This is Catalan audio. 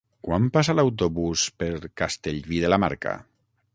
Quan passa l'autobús per Castellví de la Marca?